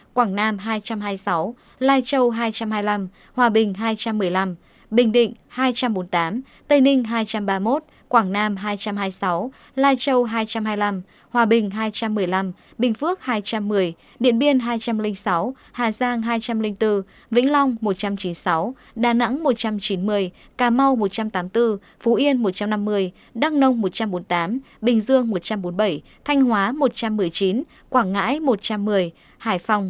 quảng nam hai trăm hai mươi sáu lai châu hai trăm hai mươi năm hòa bình hai trăm một mươi năm bình định hai trăm bốn mươi tám tây ninh hai trăm ba mươi một quảng nam hai trăm hai mươi sáu lai châu hai trăm hai mươi năm hòa bình hai trăm một mươi năm bình phước hai trăm một mươi điện biên hai trăm linh sáu hà giang hai trăm linh bốn vĩnh long một trăm chín mươi sáu đà nẵng một trăm chín mươi cà mau một trăm tám mươi bốn phú yên một trăm năm mươi đăng nông một trăm bốn mươi tám bình dương một trăm bốn mươi bảy thanh hóa một trăm một mươi chín quảng ngãi một trăm một mươi hải phòng một trăm một mươi